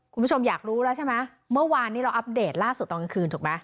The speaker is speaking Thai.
คุณผู้ชมอยากรู้แล้วใช่ไหมเมื่อวานนี้เราอัปเดตล่าสุดตอนกลางคืนถูกไหม